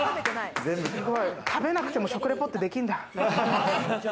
食べなくても、食レポってできるんだ。